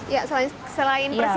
ya selain persiapan fisik